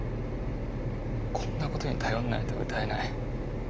こんなことに頼んないと歌えない。